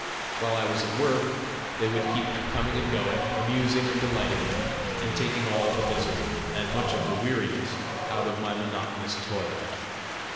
While I was at work, they would keep coming and going, amusing and delighting me, and taking all the misery, and much of the weariness out of my monotonous toil.